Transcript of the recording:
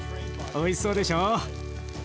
おいしそうでしょう。